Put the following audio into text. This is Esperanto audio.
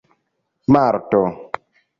marto